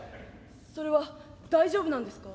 それは大丈夫なんですか？